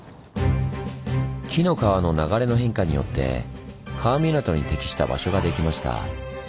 紀の川の流れの変化によって川港に適した場所ができました。